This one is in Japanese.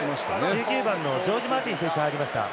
１９番のジョージ・マーティン選手入りました。